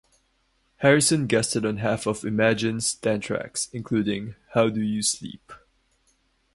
Harrison guested on half of "Imagine"'s ten tracks, including "How Do You Sleep?